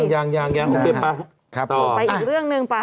ยังต่อไปอีกเรื่องหนึ่ง